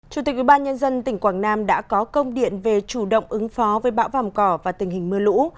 chủ tịch ubnd tỉnh quảng nam đã có công điện về chủ động ứng phó với bão vòng cỏ và tình hình mưa lũ